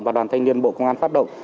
và đoàn thanh niên bộ công an phát động